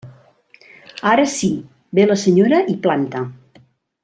Ara sí, ve la senyora i planta.